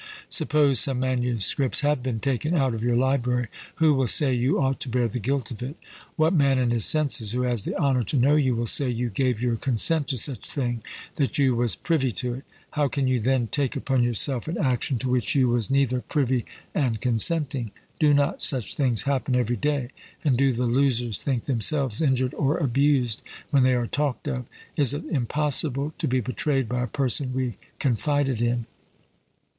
Suppose some MSS. have been taken out of your library, who will say you ought to bear the guilt of it? What man in his senses, who has the honour to know you, will say you gave your consent to such thing that you was privy to it? How can you then take upon yourself an action to which you was neither privy and consenting? Do not such things happen every day, and do the losers think themselves injured or abused when they are talked of? Is it impossible to be betrayed by a person we confided in?